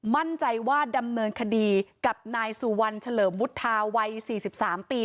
มั่นใจว่าดำเนินคดีกับนายสุวรรณเฉลิมวุฒาวัย๔๓ปี